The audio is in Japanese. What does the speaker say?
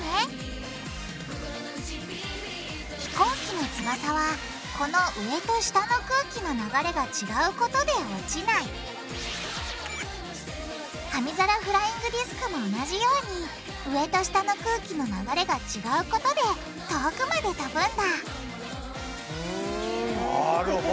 飛行機の翼はこの上と下の空気の流れが違うことで落ちない紙皿フライングディスクも同じように上と下の空気の流れが違うことで遠くまで飛ぶんだふん。